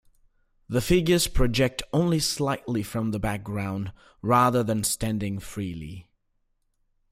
The figures project only slightly from the background rather than standing freely.